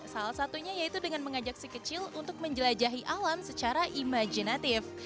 salah satunya yaitu dengan mengajak si kecil untuk menjelajahi alam secara imajinatif